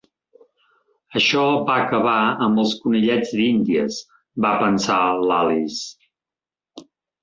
"Això va acabar amb els conillets d'índies!" va pensar l'Alice.